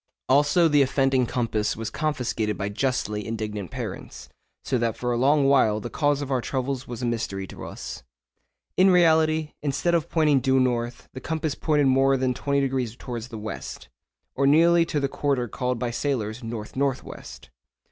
Also the offending compass was confiscated by justly indignant parents, so that for a long while the cause of our troubles was a mystery to us. In reality, instead of pointing due north, the compass pointed more than 20° towards the west, or nearly to the quarter called by sailors north north west.